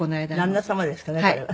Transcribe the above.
旦那様ですかねこれは。